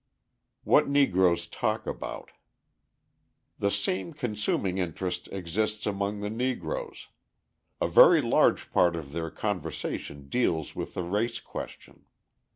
What Negroes Talk About The same consuming interest exists among the Negroes. A very large part of their conversation deals with the race question.